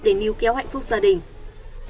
để níu kéo hạnh phúc gia đình